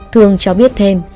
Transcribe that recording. thương cho biết thêm